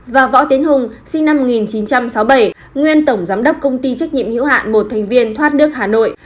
và võ tiến hùng sinh năm một nghìn chín trăm sáu mươi bảy nguyên tổng giám đốc công ty trách nhiệm hữu hạn một thành viên thoát nước hà nội